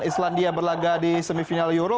islandia berlaga di semifinal euro